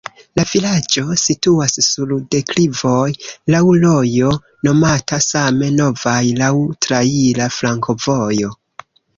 La vilaĝo situas sur deklivoj, laŭ rojo nomata same Novaj, laŭ traira flankovojo.